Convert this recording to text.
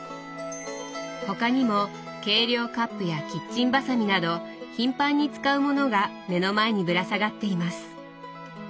他にも計量カップやキッチンバサミなど頻繁に使うものが目の前にぶら下がっています。